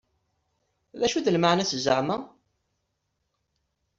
D acu d lmeɛna-s zeɛma?